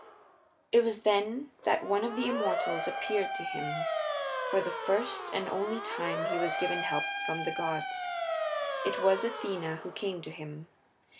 It was then that one of the immortals appeared to him; for the first and only time he was given help from the gods. It was Athena who came to him.